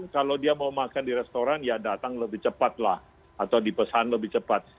kalau dia mau makan di restoran ya datang lebih cepat lah atau dipesan lebih cepat